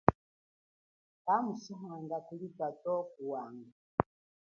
Kamushahanga kuli tatowo ku wanga.